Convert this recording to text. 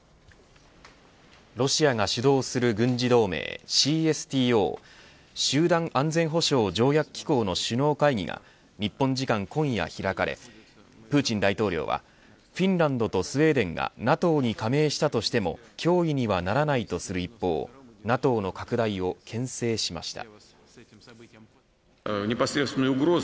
ロシアが主導する軍事同盟ＣＳＴＯ集団安全保障条約機構の首脳会議が日本時間今夜、開かれプーチン大統領はフィンランドとスウェーデンがＮＡＴＯに加盟したとしても脅威にはならないとする一方ＮＡＴＯの拡大をけん制しました。